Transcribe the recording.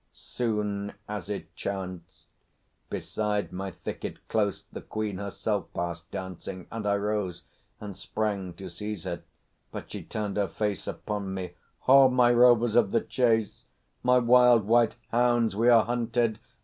Soon, as it chanced, beside my thicket close The Queen herself passed dancing, and I rose And sprang to seize her. But she turned her face Upon me: "Ho, my rovers of the chase, My wild White Hounds, we are hunted!